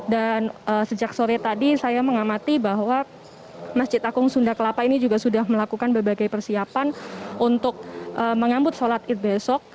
dan sejak sore tadi saya mengamati bahwa masjid agung sunda kelapa ini juga sudah melakukan berbagai persiapan untuk mengambut sholat id besok